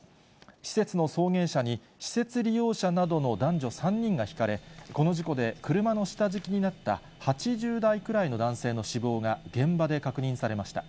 施設の送迎車に施設利用者などの男女３人がひかれ、この事故で車の下敷きになった８０代くらいの男性の死亡が現場で確認されました。